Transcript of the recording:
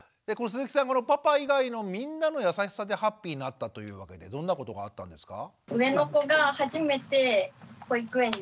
鈴木さんパパ以外のみんなの優しさでハッピーになったというわけでどんなことがあったんですか？